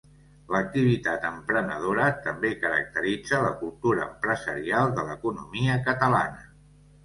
L'activitat emprenedora també caracteritza la cultura empresarial de l'economia catalana.